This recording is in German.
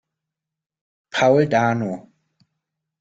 Paul Dano